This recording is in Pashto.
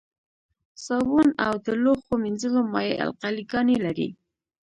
صابون او د لوښو مینځلو مایع القلي ګانې لري.